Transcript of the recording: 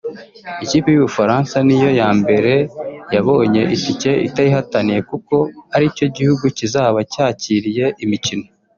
Ikipe y’u Bufaransa niyo ya mbere yabonye itike itayihataniye kuko ari cyo gihugu kizaba cyakiriye imikino